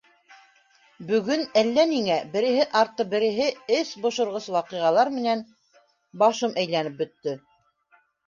Бөгөн әллә ниңә береһе арты береһе эс бошорғос ваҡиғалар менән башым әйләнеп бөттө.